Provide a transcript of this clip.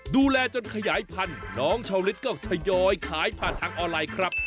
ดูแลจนขยายพันธุ์น้องชาวลิศก็ทยอยขายผ่านทางออนไลน์ครับ